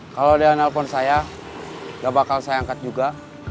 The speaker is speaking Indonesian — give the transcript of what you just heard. kalau dia nelfon saya gak bakal saya angkat juga